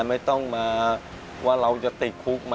ทำไมเราต้องเป็นแบบเสียเงินอะไรขนาดนี้เวรกรรมอะไรนักหนา